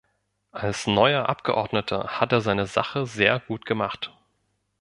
Als neuer Abgeordneter hat er seine Sache sehr gut gemacht.